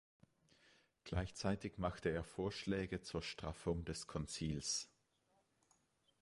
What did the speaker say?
Gleichzeitig machte er Vorschläge zur Straffung des Konzils.